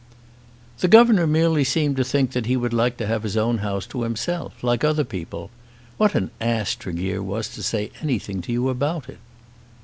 "The governor merely seemed to think that he would like to have his own house to himself like other people. What an ass Tregear was to say anything to you about it."